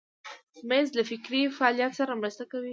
مېز له فکري فعالیت سره مرسته کوي.